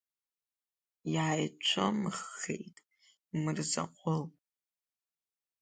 Иааицәымыӷххеит Мырзаҟәыл.